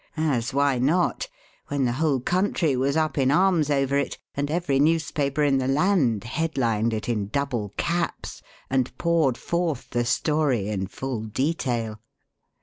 As why not, when the whole country was up in arms over it and every newspaper in the land headlined it in double caps and poured forth the story in full detail?